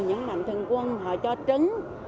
những mạnh thân quân họ cho trứng